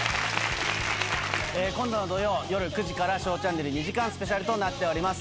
今度の土曜夜９時『ＳＨＯＷチャンネル』２時間スペシャルとなってます。